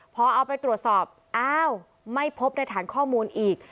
พอเอาไปตรวจสอบอ้าวไม่พบในฐานข้อมูลอีก